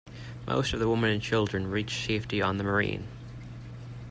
Most of the women and children reached safety on the "Marine".